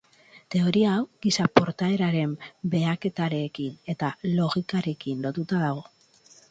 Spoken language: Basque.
Teoria hau, giza-portaeraren behaketarekin eta logikarekin lotuta dago.